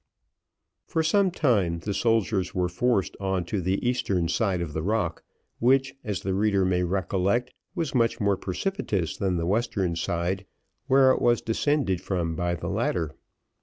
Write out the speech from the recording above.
For some time the soldiers were forced on to the eastern side of the rock, which, as the reader may recollect, was much more precipitous than the western side, where it was descended from by the ladder.